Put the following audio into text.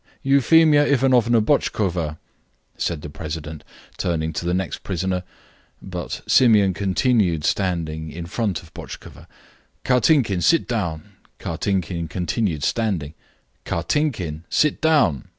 "Euphemia Ivanovna Botchkova," said the president, turning to the next prisoner. But Simon continued standing in front of Botchkova. "Kartinkin, sit down!" Kartinkin continued standing. "Kartinkin, sit down!"